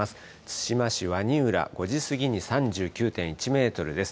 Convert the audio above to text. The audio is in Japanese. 対馬市鰐浦、５時過ぎに３９．１メートルです。